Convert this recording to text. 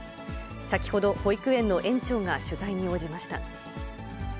先ほど保育園の園長が取材に応じました。